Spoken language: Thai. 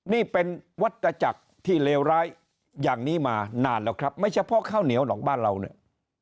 นี่เป็นวัตจักรที่เลวร้ายอย่างนี้มานานแล้วครับไม่เฉพาะข้าวเหนียวหรอกบ้านเราเนี่ย